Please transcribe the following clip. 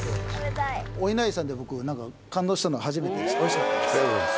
おいなりさんで僕何か感動したの初めてですおいしかったです